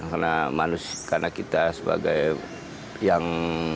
karena manusia karena kita sebagai yang